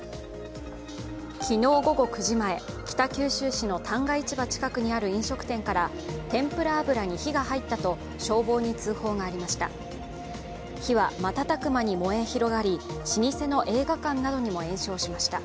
昨日午後９時前、北九州市の旦過市場近くにある飲食店から天ぷら油に火が入ったと消防に通報がありました。